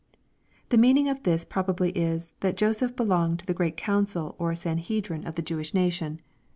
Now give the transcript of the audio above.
'\ The meaning of this probably Is, that Joseph belonged to the great council or Sanhedrim of the LUKEj CHAP. XXIII. 489 Jewish nation.